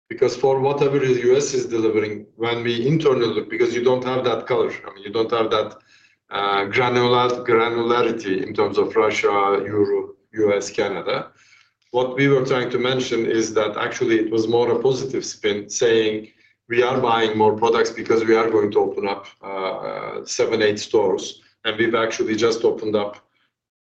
because for whatever the U.S. is delivering, when we internally look, because you don't have that color. I mean, you don't have that granularity in terms of Russia, Europe, U.S., Canada. What we were trying to mention is that actually it was more a positive spin saying we are buying more products because we are going to open up seven, eight stores. We've actually just opened up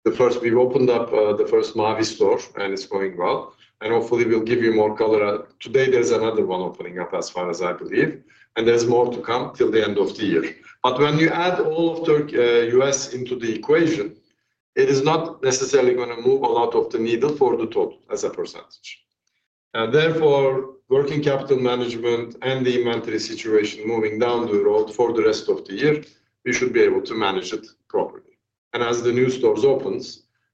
the first, we've opened up the first Mavi store, and it's going well. Hopefully, we'll give you more color. Today, there's another one opening up, as far as I believe. There's more to come till the end of the year. When you add all of the U.S. into the equation, it is not necessarily going to move a lot of the needle for the top as a %. Therefore, working capital management and the inventory situation moving down the road for the rest of the year, we should be able to manage it properly. As the new stores open,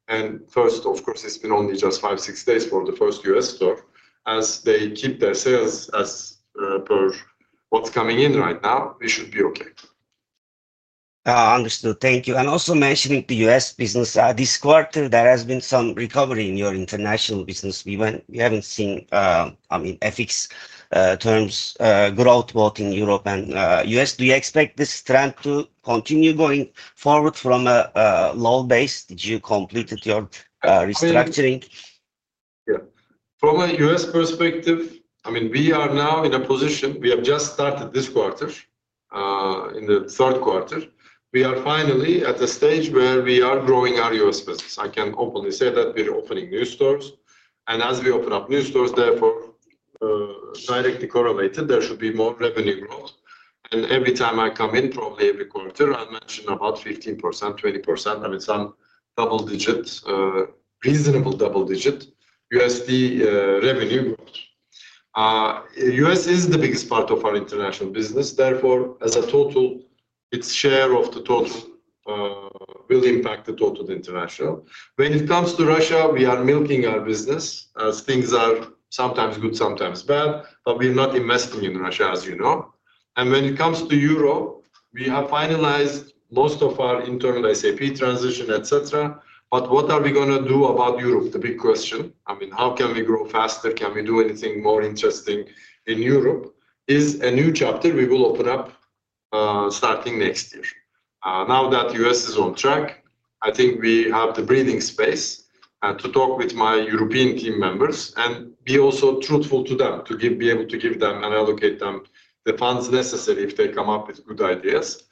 and first, of course, it's been only just five, six days for the first U.S. store, as they keep their sales as per what's coming in right now, we should be okay. Understood. Thank you. Also, mentioning the US business, this quarter, there has been some recovery in your international business. We haven't seen, I mean, ethics terms growth both in Europe and US. Do you expect this trend to continue going forward from a low base? Did you complete your restructuring? From a U.S. perspective, I mean, we are now in a position, we have just started this quarter, in the third quarter, we are finally at a stage where we are growing our U.S. business. I can openly say that we're opening new stores. As we open up new stores, therefore, directly correlated, there should be more revenue growth. Every time I come in, probably every quarter, I'll mention about 15%, 20%, I mean, some double-digit, reasonable double-digit USD revenue growth. U.S. is the biggest part of our international business. Therefore, as a total, its share of the totals will impact the total international. When it comes to Russia, we are milking our business as things are sometimes good, sometimes bad, but we're not investing in Russia, as you know. When it comes to Europe, we have finalized most of our internal SAP transition, etc. What are we going to do about Europe? The big question. I mean, how can we grow faster? Can we do anything more interesting in Europe? Is a new chapter we will open up starting next year. Now that the U.S. is on track, I think we have the breathing space to talk with my European team members and be also truthful to that, to be able to give them and allocate them the funds necessary if they come up with good ideas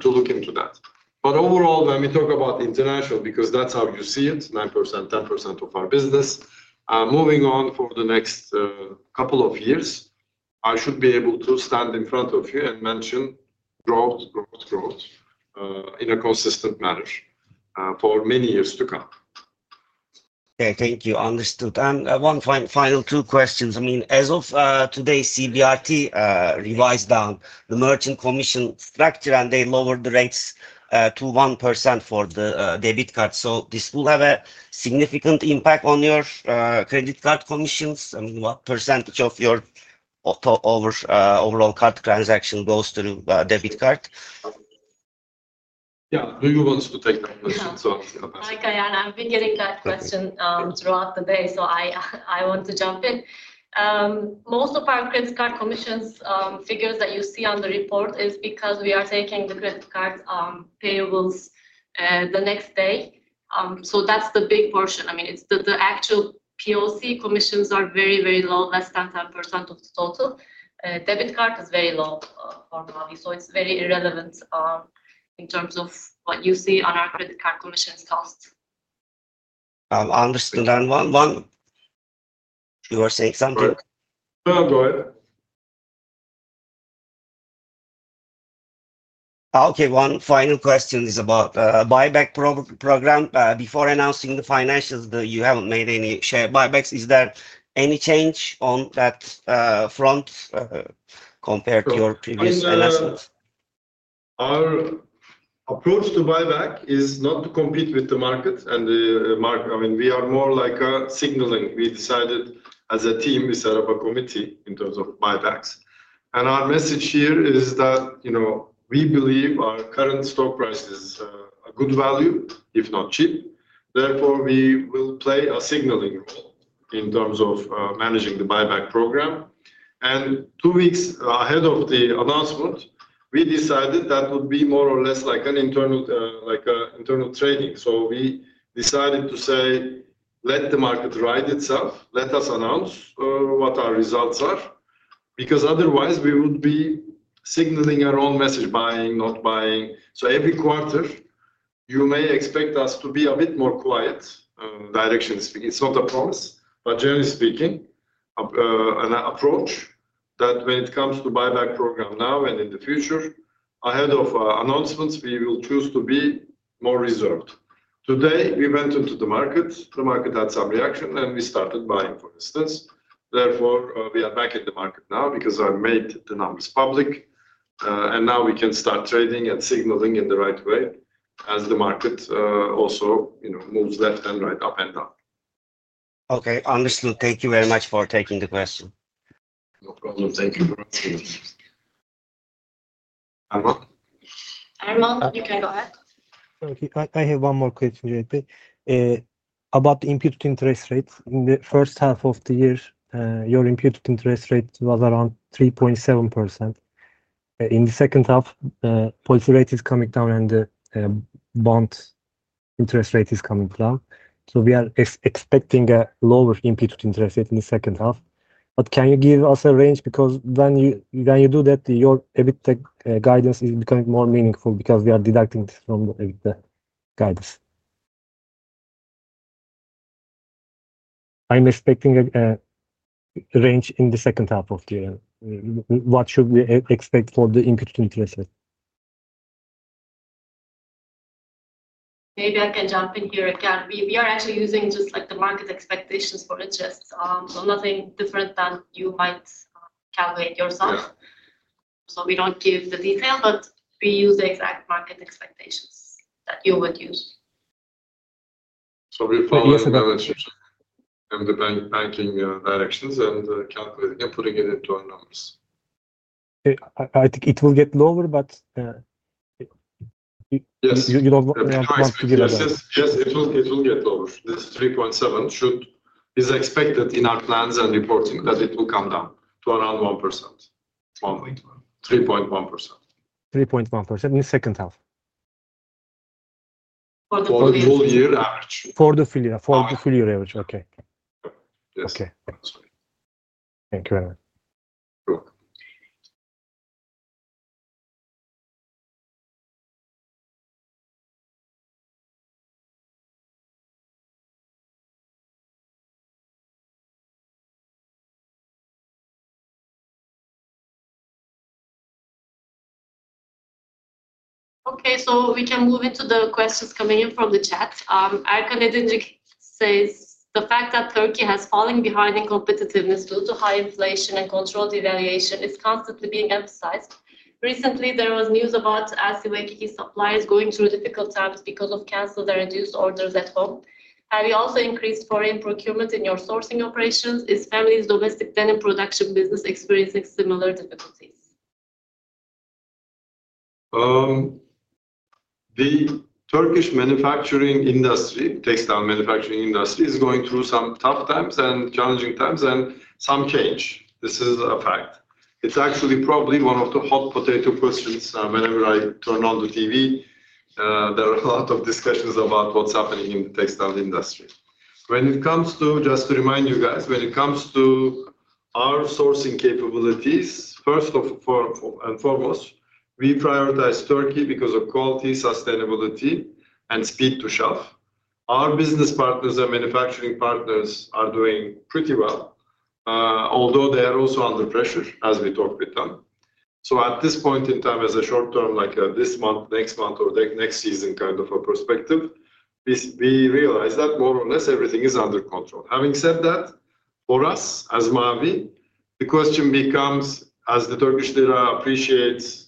to look into that. Overall, when we talk about international, because that's how you see it, 9%, 10% of our business, moving on for the next couple of years, I should be able to stand in front of you and mention growth, growth, growth in a consistent manner for many years to come. Okay, thank you. Understood. One final two questions. As of today, CBRT revised down the merchant commission factor and they lowered the rates to 1% for the debit card. This will have a significant impact on your credit card commissions. What percentage of your overall card transaction goes through debit card? Yeah, do you want to take that question? Hi, Kaya. I've been getting that question throughout the day, so I want to jump in. Most of our credit card commissions figures that you see on the report is because we are taking the credit card payables the next day. That's the big portion. I mean, the actual POC commissions are very, very low, less than 10% of the total. Debit card is very low for the money, so it's very irrelevant in terms of what you see on our credit card commissions cost. Understood. You were saying something. No, go ahead. Okay, one final question is about a buyback program. Before announcing the financials, you haven't made any share buybacks. Is there any change on that front compared to your previous announcement? Our approach to buyback is not to compete with the market. I mean, we are more like a signaling. We decided as a team, we set up a committee in terms of buybacks. Our message here is that, you know, we believe our current stock price is a good value, if not cheap. Therefore, we will play a signaling in terms of managing the buyback program. Two weeks ahead of the announcement, we decided that would be more or less like an internal trading. We decided to say, let the market ride itself. Let us announce what our results are, because otherwise we would be signaling our own message, buying, not buying. Every quarter, you may expect us to be a bit more quiet. Direction speaking, it's not a promise, but generally speaking, an approach that when it comes to buyback program now and in the future, ahead of announcements, we will choose to be more reserved. Today, we went into the market. The market had some reaction, and we started buying, for instance. Therefore, we are back at the market now because I made the numbers public, and now we can start trading and signaling in the right way as the market also, you know, moves left and right up and down. Okay, understood. Thank you very much for taking the question. Thank you. I have one more question, about the imputed interest rates. In the first half of the year, your imputed interest rate was around 3.7%. In the second half, the policy rate is coming down and the bond interest rate is coming down. We are expecting a lower imputed interest rate in the second half. Can you give us a range? When you do that, your EBITDA guidance is becoming more meaningful because we are deducting from the EBITDA guidance. I'm expecting a range in the second half of the year. What should we expect for the imputed interest rate? Maybe I can jump in here. We are actually using just like the market expectations for interest. Nothing different than you might calculate yourself. We don't give the details, but we use the exact market expectations that you would use. We'll follow the benefit and the benefiting directions and calculate it to get it to our numbers. I think it will get lower, but you don't want to get a... Yes, it will get lower. This 3.7% should be expected in our plans and reporting that it will come down to around 1%, 1.2%, 3.1%. 3.1% in the second half. For the full year average. For the full year, for the full year average. Okay. Okay. Thank you very much. Okay, we can move into the questions coming in from the chat. Erkan Edinlik says, "The fact that Türkiye has fallen behind in competitiveness due to high inflation and controlled devaluation is constantly being emphasized. Recently, there was news about Asya Makiki's suppliers going through difficult times because of canceled and reduced orders at home. Have you also increased foreign procurement in your sourcing operations? Is family's domestic denim production business experiencing similar difficulties? The Turkish manufacturing industry, textile manufacturing industry, is going through some tough times and challenging times and some change. This is a fact. It's actually probably one of the hot potato questions whenever I turn on the TV. There are a lot of discussions about what's happening in the textile industry. When it comes to, just to remind you guys, when it comes to our sourcing capabilities, first of all and foremost, we prioritize Türkiye because of quality, sustainability, and speed to shelf. Our business partners and manufacturing partners are doing pretty well, although they are also under pressure as we talk with them. At this point in time, as a short term, like this month, next month, or next season, kind of a perspective, we realize that more or less everything is under control. Having said that, for us as Mavi, the question becomes, as the Turkish lira appreciates,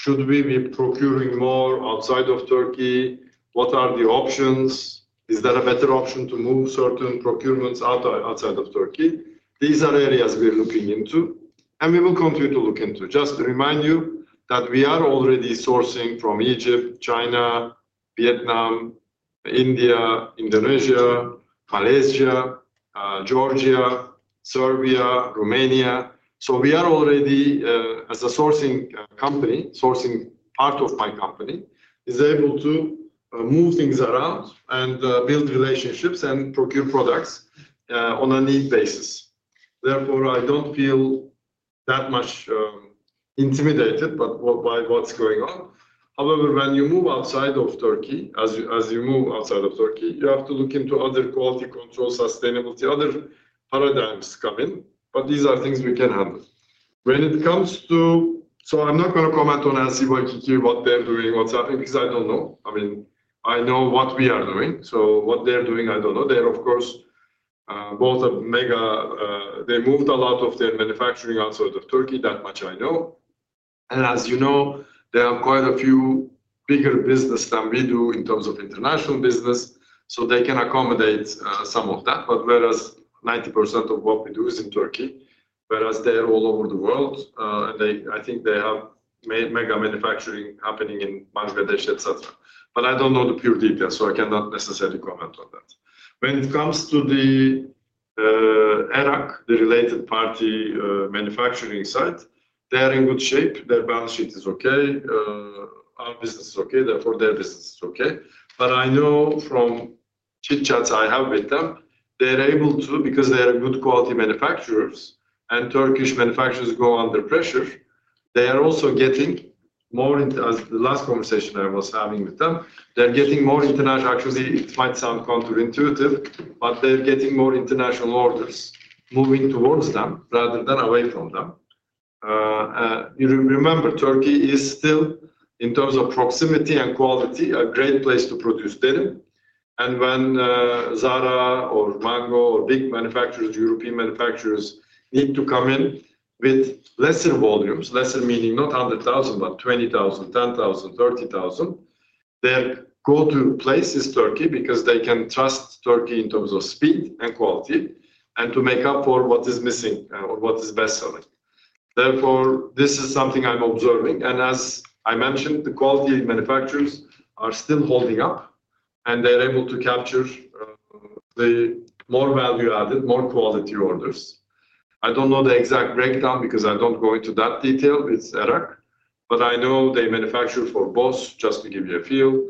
should we be procuring more outside of Türkiye? What are the options? Is there a better option to move certain procurements outside of Türkiye? These are areas we're looking into, and we will continue to look into. Just to remind you that we are already sourcing from Egypt, China, Vietnam, India, Indonesia, Malaysia, Georgia, Serbia, Romania. We are already, as a sourcing company, sourcing part of my company, is able to move things around and build relationships and procure products on a need basis. Therefore, I don't feel that much intimidated by what's going on. However, when you move outside of Türkiye, as you move outside of Türkiye, you have to look into other quality control, sustainability, other paradigms come in. These are things we can handle. I'm not going to comment on Asya Makiki, what they're doing, what's happening, because I don't know. I mean, I know what we are doing. What they're doing, I don't know. They're, of course, both a mega, they moved a lot of their manufacturing outside of Türkiye, that much I know. As you know, they have quite a few bigger businesses than we do in terms of international business. They can accommodate some of that. Whereas 90% of what we do is in Türkiye, whereas they're all over the world, and I think they have mega manufacturing happening in Bangladesh itself. I don't know the pure details, so I cannot necessarily comment on that. When it comes to the Arak, the related party manufacturing site, they're in good shape. Their balance sheet is okay. Our business is okay. Therefore, their business is okay. I know from chit-chats I have with them, they're able to, because they're good quality manufacturers and Turkish manufacturers go under pressure, they are also getting more, as the last conversation I was having with them, they're getting more international. Actually, it might sound counterintuitive, but they're getting more international orders moving towards them rather than away from them. You remember, Türkiye is still, in terms of proximity and quality, a great place to produce denim. When Zara or Mango or big manufacturers, European manufacturers need to come in with lesser volumes, lesser meaning not 100,000 but 20,000, 10,000, 30,000, their go-to place is Türkiye because they can trust Türkiye in terms of speed and quality and to make up for what is missing or what is best selling. This is something I'm observing. As I mentioned, the quality manufacturers are still holding up, and they're able to capture the more value-added, more quality orders. I don't know the exact breakdown because I don't go into that detail with Arak, but I know they manufacture for Bosch, just to give you a feel.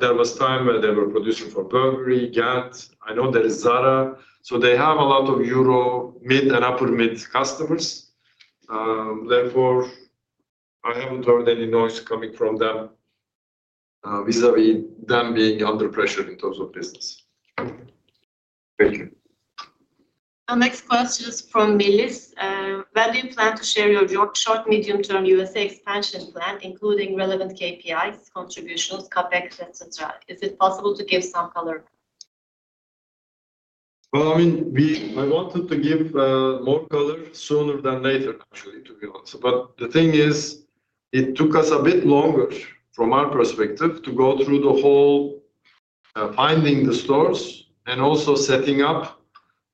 There was a time where they were producing for Burberry, GAT. I know there is Zara. They have a lot of Euro mid and upper mid customers. I haven't heard any noise coming from them vis-à-vis them being under pressure in terms of business. Our next question is from Lilis. When do you plan to share your short, medium-term U.S. expansion plan, including relevant KPIs, contributions, CapEx, etc.? Is it possible to give some color? I wanted to give more color sooner than later, actually, to be honest. The thing is, it took us a bit longer from our perspective to go through the whole finding the stores and also setting up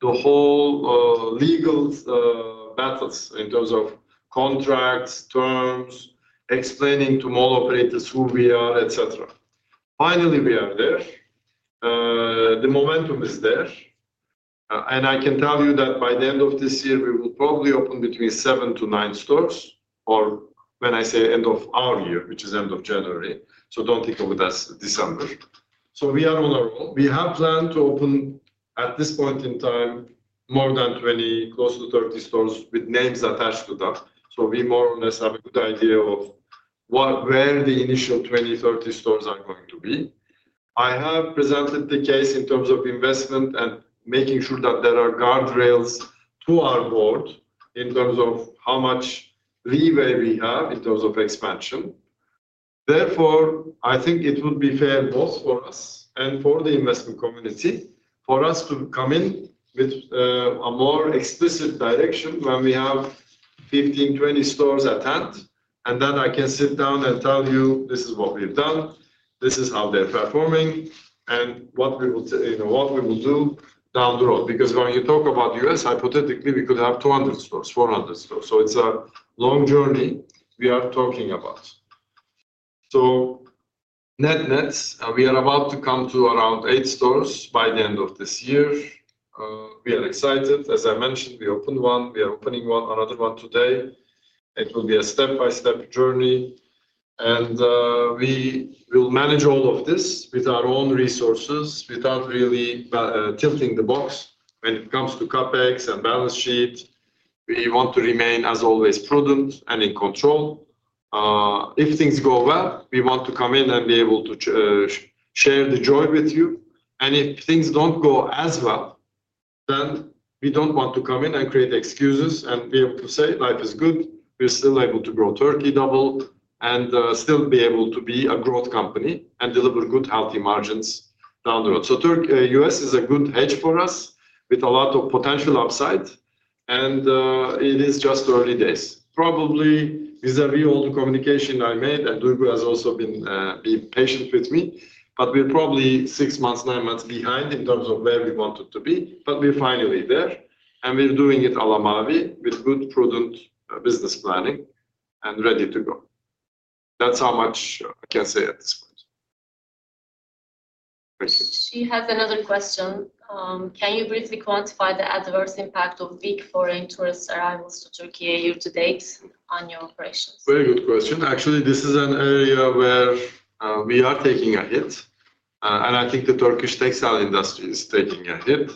the whole legal battles in terms of contracts, terms, explaining to mall operators who we are, etc. Finally, we are there. The momentum is there. I can tell you that by the end of this year, we will probably open between seven to nine stores, or when I say end of our year, which is end of January. Do not think of it as December. We are on a roll. We have planned to open at this point in time more than 20, close to 30 stores with names attached to that. We more or less have a good idea of where the initial 20, 30 stores are going to be. I have presented the case in terms of investment and making sure that there are guardrails to our board in terms of how much leeway we have in terms of expansion. Therefore, I think it would be fair both for us and for the investment community for us to come in with a more explicit direction when we have 15, 20 stores at hand. Then I can sit down and tell you, this is what we've done, this is how they're performing, and what we will, you know, what we will do down the road. When you talk about the U.S., hypothetically, we could have 200 stores, 400 stores. It is a long journey we are talking about. Net-net, we are about to come to around eight stores by the end of this year. We are excited. As I mentioned, we opened one, we are opening one, another one today. It will be a step-by-step journey. We will manage all of this with our own resources without really tilting the box when it comes to CapEx and balance sheet. We want to remain, as always, prudent and in control. If things go well, we want to come in and be able to share the joy with you. If things do not go as well, then we do not want to come in and create excuses and be able to say life is good. We are still able to grow 30 double and still be able to be a growth company and deliver good, healthy margins down the road. The U.S. is a good hedge for us with a lot of potential upside. It is just early days. Probably vis-à-vis all the communication I made, and Duygu has also been patient with me, but we are probably six months, nine months behind in terms of where we wanted to be. We are finally there, and we are doing it ala Mavi with good, prudent business planning and ready to go. That is how much I can say at this point. She has another question. Can you briefly quantify the adverse impact of big foreign tourists' arrivals to Türkiye year to date on your operations? Very good question. Actually, this is an area where we are taking a hit. I think the Turkish textile industry is taking a hit.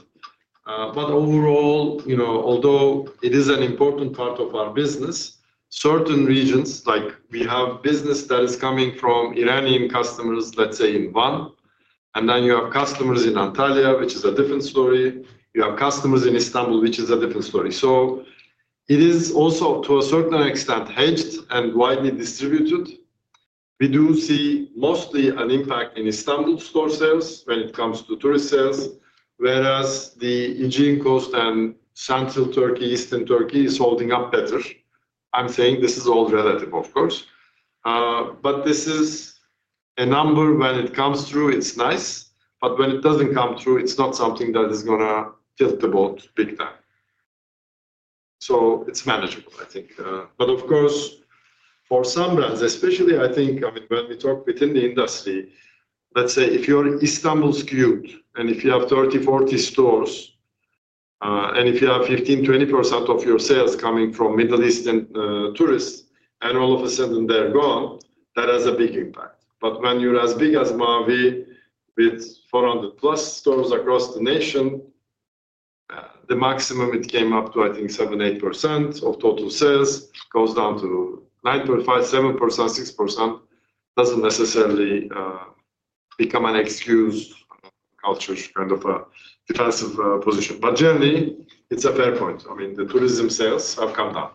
Overall, you know, although it is an important part of our business, certain regions, like we have business that is coming from Iranian customers, let's say in Van, and then you have customers in Antalya, which is a different story. You have customers in Istanbul, which is a different story. It is also, to a certain extent, hedged and widely distributed. We do see mostly an impact in Istanbul store sales when it comes to tourist sales, whereas the Aegean coast and central Türkiye, eastern Türkiye is holding up better. I'm saying this is all relative, of course. This is a number when it comes through, it's nice. When it doesn't come through, it's not something that is going to tilt the boat big time. It's manageable, I think. Of course, for some brands, especially, I think, I mean, when we talk within the industry, let's say if you're in Istanbul skewed, and if you have 30, 40 stores, and if you have 15%, 20% of your sales coming from Middle Eastern tourists, and all of a sudden they're gone, that has a big impact. When you're as big as Mavi, with 400 plus stores across the nation, the maximum it came up to, I think, 7% to 8% of total sales goes down to 9.5%, 7%, 6%. It doesn't necessarily become an excuse culture kind of a defensive position. Generally, it's a fair point. The tourism sales have come down.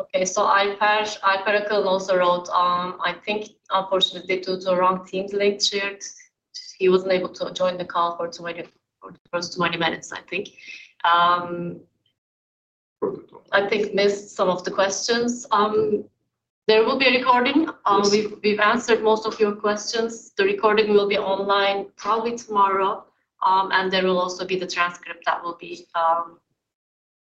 Okay, so Iparakal also wrote on, I think, unfortunately due to the wrong team's late shift, he wasn't able to join the call for the first 20 minutes. I think he missed some of the questions. There will be a recording. We've answered most of your questions. The recording will be online probably tomorrow, and there will also be the transcript that will be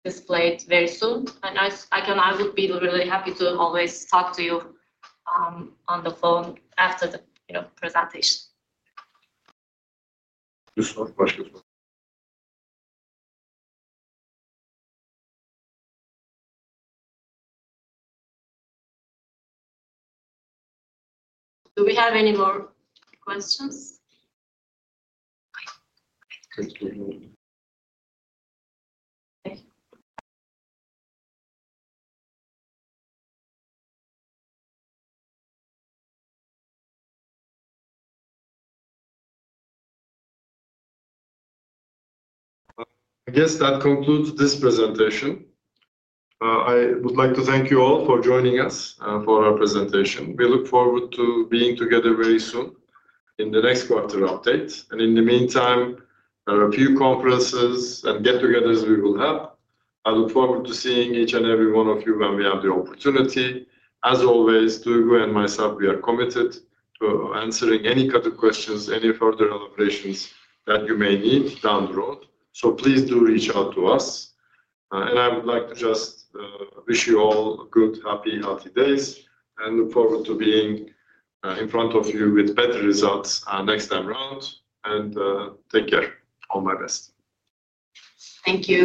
displayed very soon. I would be really happy to always talk to you on the phone after the presentation. Just one question. Do we have any more questions? I guess that concludes this presentation. I would like to thank you all for joining us for our presentation. We look forward to being together very soon in the next quarter update. In the meantime, there are a few conferences and get-togethers we will have. I look forward to seeing each and every one of you when we have the opportunity. As always, Duygu and myself, we are committed to answering any kind of questions, any further elaborations that you may need down the road. Please do reach out to us. I would like to just wish you all good, happy, healthy days, and look forward to being in front of you with better results next time around. Take care. All my best. Thank you.